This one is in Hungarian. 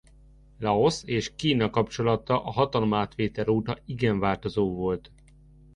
Laosz és Kína kapcsolata a hatalomátvétel óta igen változó volt.